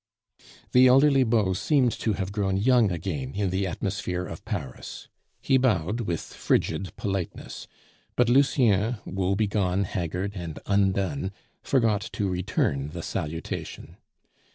The elderly beau seemed to have grown young again in the atmosphere of Paris. He bowed with frigid politeness; but Lucien, woe begone, haggard, and undone, forgot to return the salutation.